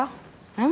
うん。